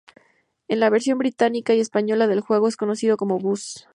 En la versión británica y española del juego, es conocido como Buzz.